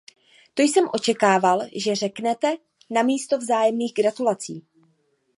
To jsem očekával, že řeknete, namísto vzájemných gratulací.